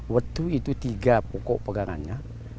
wetu itu tiga pokok pegangannya